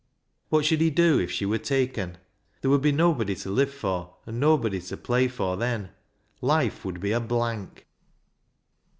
What should he do if she were taken ? There would be nobody to live for and nobody to play for then. Life would be a blank.